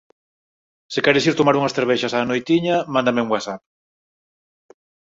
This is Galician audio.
Se queres ir tomar unhas cervexas á noitiña, mándame un whatsapp.